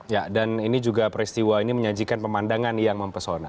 ya dan ini juga peristiwa ini menyajikan pemandangan yang mempesona